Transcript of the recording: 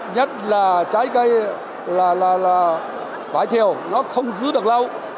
nhất là trái cây là vải thiều nó không giữ được lâu